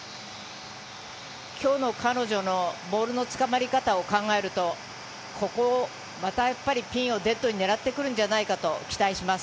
今日の彼女のボールのつかまり方を考えると、ピンをデッドに狙ってくるんじゃないかと期待します。